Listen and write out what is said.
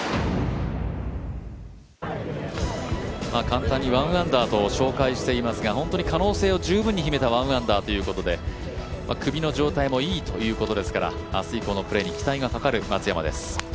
簡単に１アンダーと紹介していますが本当に可能性を十分に秘めた１アンダーということで首の状態もいいということですから明日以降のプレーに期待がかかる松山です。